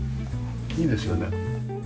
いいですよね。